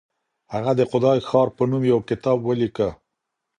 هغه د خدای ښار په نوم يو کتاب وليکه.